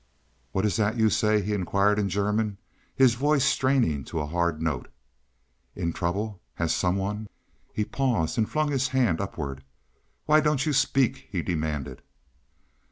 "What is that you say?" he inquired in German, his voice straining to a hard note. "In trouble—has some one—" He paused and flung his hand upward. "Why don't you speak?" he demanded.